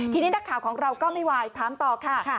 ทีนี้นักข่าวของเราก็ไม่ไหวถามต่อค่ะ